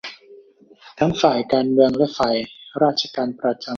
ทั้งฝ่ายการเมืองและฝ่ายราชการประจำ